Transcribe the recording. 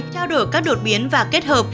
trao đổi các đột biến và kết hợp